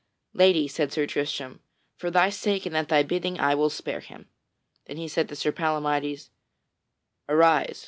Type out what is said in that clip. "Lady," said Sir Tristram, "for thy sake and at thy bidding I will spare him." Then he said to Sir Palamydes, "Arise."